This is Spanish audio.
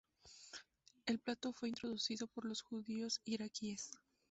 El plato fue introducido por los judíos iraquíes.